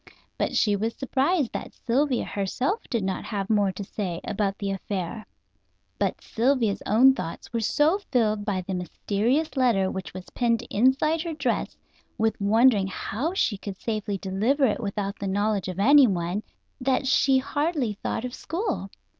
But she was surprised that Sylvia herself did not have more to say about the affair. But Sylvia's own thoughts were so filled by the mysterious letter which was pinned inside her dress, with wondering how she could safely deliver it without the knowledge of anyone, that she hardly thought of school.